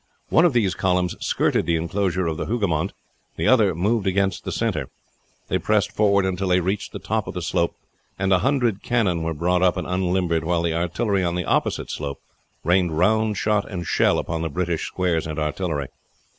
One of these columns skirted the inclosure of the Hougoumont, the other moved against the center. They pressed forward until they reached the top of the slope, and a hundred cannon were brought up and unlimbered, while the artillery on the opposite slope rained round shot and shell upon the British squares and artillery.